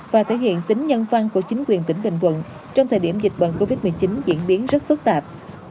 và thể hiện tính nhân văn của chính quyền tỉnh bình thuận trong thời điểm dịch bệnh covid một mươi chín diễn biến rất phức tạp